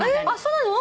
そうなの？